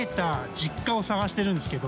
実家を探してるんですけど。